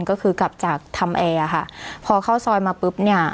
ก็คือกลับจากทำแอร์ค่ะพอเข้าซอยมาปุ๊บเนี่ย